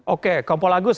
oke kompol agus